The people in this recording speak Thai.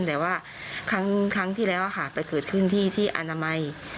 แต่ว่าครั้งที่แล้วค่ะไปเกิดขึ้นที่อนามัย